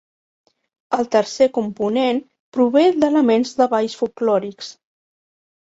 El tercer component prové d'elements de balls folklòrics.